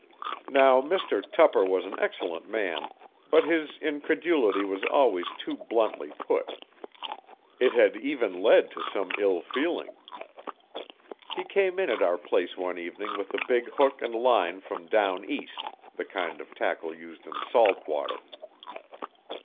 Now Mr Tupper was an excellent man but his incredulity was always too bluntly put. It had even led to some ill feeling. He came in at our place one evening with a big hook and line from 'down east' the kind of tackle used in salt water.